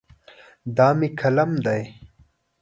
دا مې قلم دی.